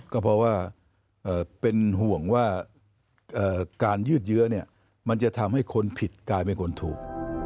ก็เพราะว่าเป็นห่วงว่าการยืดเยื้อมันจะทำให้คนผิดกลายเป็นคนถูก